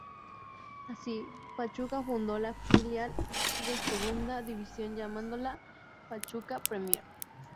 Así, Pachuca fundó la filial de Segunda División llamándola "Pachuca Premier".